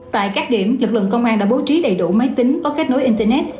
tại các điểm lực lượng công an đã bố trí đầy đủ máy tính có kết nối internet